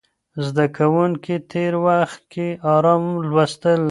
زده کوونکي تېر وخت کې ارام لوستل.